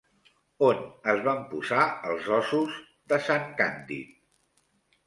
On es van posar els ossos de sant Càndid?